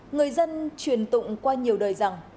người dân truyền tụng qua nhiều đời rằng